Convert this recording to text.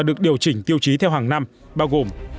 ổ chỉnh tiêu chí theo hàng năm bao gồm